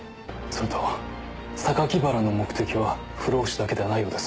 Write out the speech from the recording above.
それと原の目的は不老不死だけではないようです。